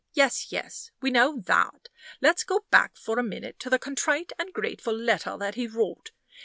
"Yes, yes, we know that. Let's go back for a minute to the contrite and grateful letter that he wrote.